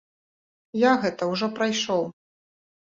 Я гэта ўжо прайшоў.